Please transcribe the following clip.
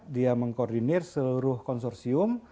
dia mengkoordinir seluruh konsorsium